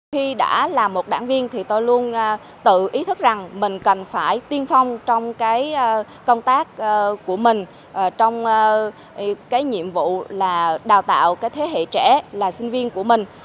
khi đã là một đảng viên thì tôi luôn tự ý thức rằng mình cần phải tiên phong trong cái công tác của mình trong cái nhiệm vụ là đào tạo cái thế hệ trẻ là sinh viên của mình